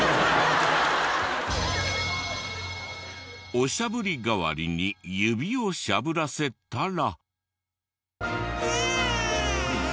おしゃぶり代わりに指をしゃぶらせたら。